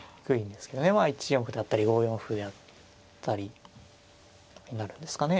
１四歩だったり５四歩やったりになるんですかね。